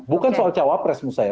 bukan soal jawab resmi saya